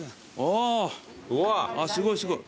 すごいすごい。